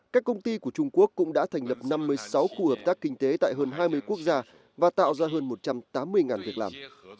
các công ty của trung quốc cũng đã thành lập năm mươi sáu khu hợp tác kinh tế tại hơn hai mươi quốc gia và tạo ra hơn một trăm tám mươi việc làm